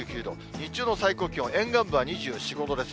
日中の最高気温、沿岸部は２４、５度です。